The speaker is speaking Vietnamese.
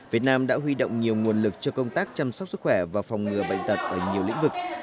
việt nam đã huy động nhiều nguồn lực cho công tác chăm sóc sức khỏe và phòng ngừa bệnh tật ở nhiều lĩnh vực